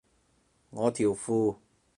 我條褲